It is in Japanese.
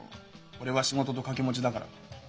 俺は仕事と掛け持ちだから。